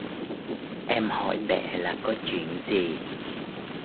Em hỏi mẹ là có chuyện gì